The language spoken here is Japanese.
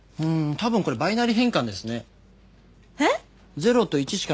多分これバイナリ変換ですね。